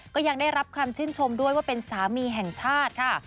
ก็ยังได้รับคำชื่นชมด้วยว่าเป็นสามีแห่งชาติค่ะ